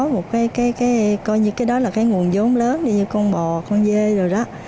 một cái coi như cái đó là cái nguồn giống lớn như con bò con dê rồi đó